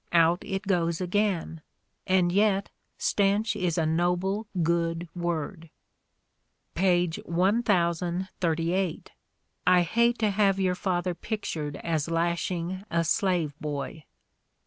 Out it goes again. And yet "stench" is a noble, good word. Page 1,038. I hate to have your father pictured as lashing a slave boy.